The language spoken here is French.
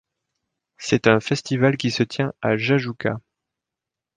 C’est un festival qui se tient à Jahjouka.